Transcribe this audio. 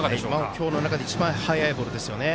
今日の中で一番速いボールですね。